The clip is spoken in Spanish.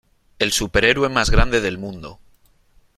¡ El superhéroe más grande del mundo !